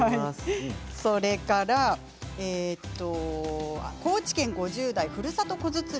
それから高知県５０代の方から。